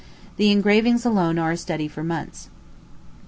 The engravings alone are a study for months.